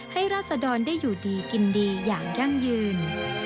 ราศดรได้อยู่ดีกินดีอย่างยั่งยืน